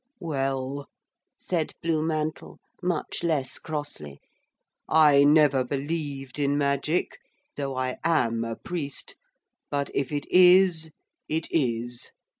'Well,' said Blue Mantle, much less crossly, 'I never believed in magic, though I am a priest, but if it is, it is.